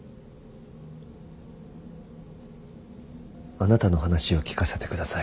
あなたの話を聞かせてください。